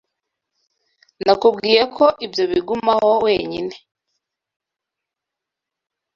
Nakubwiye ko ibyo bigumaho wenyine.